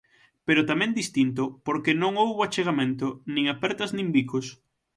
Pero tamén distinto, porque non houbo achegamento, nin apertas nin bicos.